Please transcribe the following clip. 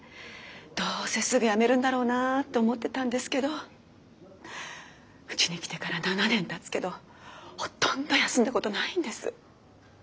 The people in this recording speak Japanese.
どうせすぐ辞めるんだろうなと思ってたんですけどうちに来てから７年たつけどほとんど休んだことないんです。